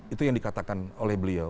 itu yang dikatakan oleh beliau